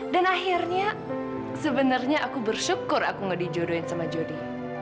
dan akhirnya sebenarnya aku bersyukur aku nggak dijodohin sama jodi